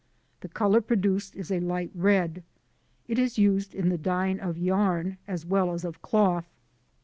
The colour produced is a light red. It is used in the dyeing of yarn as well as of cloth.